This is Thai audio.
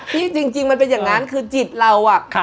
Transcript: จริงมันเป็นอย่างนั้นคือจิตเราอะ